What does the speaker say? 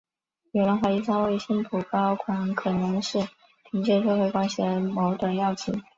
有人怀疑三位新晋高管可能是凭借社会关系而谋得要职。